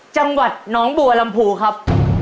จังหวัดน้องบัวลำพูครับ